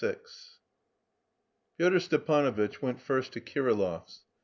VI Pyotr Stepanovitch went first to Kirillov's.